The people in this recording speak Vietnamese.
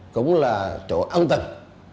cũng là chỗ ân tình